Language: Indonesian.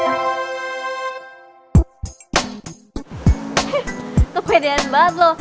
eh kepedean banget lo